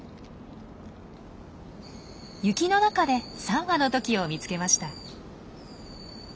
雪の中で３羽のトキを見つけました。